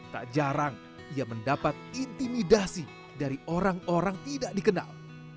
tak jarang ia mendapat intimidasi dari orang orang tidak dikenal